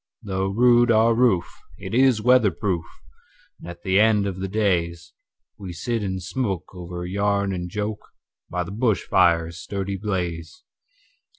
Though rude our roof, it is weather proof, And at the end of the daysWe sit and smoke over yarn and joke, By the bush fire's sturdy blaze.